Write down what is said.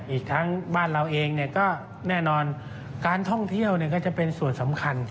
อีกทั้งบ้านเราเองก็แน่นอนการท่องเที่ยวก็จะเป็นส่วนสำคัญ